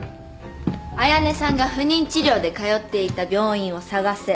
綾音さんが不妊治療で通っていた病院を探せ。